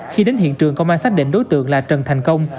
khi đến hiện trường công an xác định đối tượng là trần thành công